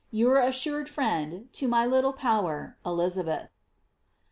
•* Your assured friend, to my little power, '* Elixabbth."